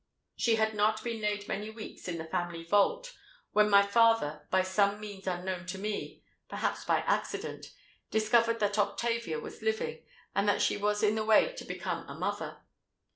She had not been laid many weeks in the family vault, when my father, by some means unknown to me—perhaps, by accident—discovered that Octavia was living, and that she was in the way to become a mother.